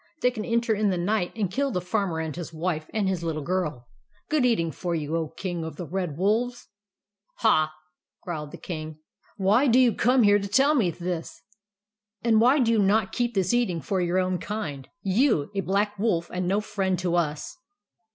They can enter in the night, and kill the Farmer and his wife and his little girl. Good eating for you, O King of the Red Wolves !"" Ha !" growled the King. * Why do you come here to tell me this, and why do you not keep this eating for your own kind, — you, a Black Wolf and no friend to us